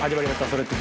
「それって！？